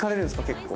結構。